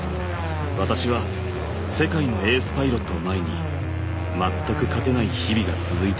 私は世界のエースパイロットを前に全く勝てない日々が続いていました。